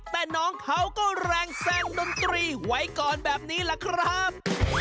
แต่น้องเขาก็แรงแซงดนตรีไว้ก่อนแบบนี้ล่ะครับ